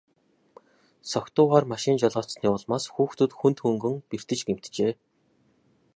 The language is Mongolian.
Согтуугаар машин жолоодсоны улмаас хүүхдүүд хүнд хөнгөн бэртэж гэмтжээ.